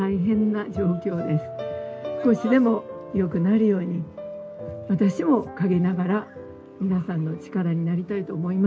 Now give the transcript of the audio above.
少しでも良くなるように私も陰ながら皆さんの力になりたいと思います。